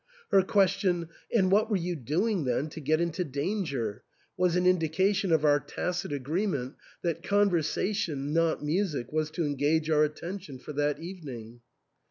Her question, "And what were you doing then to get into danger?" was an indication of our tacit agreement that conversation, not music, was to engage our attention for that evening.